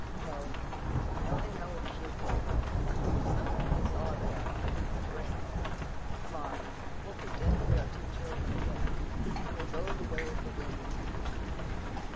"No. I only know it should be, from something I saw there in spring. Come on. We'll pretend we are two children again and we'll go the way of the wind."